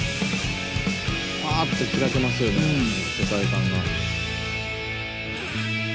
パって開けますよね世界観が。